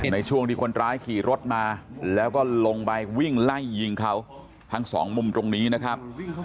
ในช่วงที่คนร้ายขี่รถมาแล้วก็ลงไปวิ่งไล่ยิงเขาทั้งสองมุมตรงนี้นะครับ